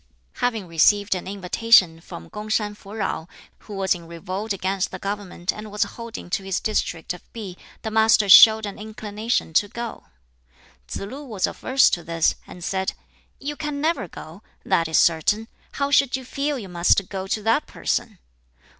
Having received an invitation from Kung shan Fuh jau, who was in revolt against the government and was holding to his district of Pi, the Master showed an inclination to go. Tsz lu was averse to this, and said, "You can never go, that is certain; how should you feel you must go to that person?"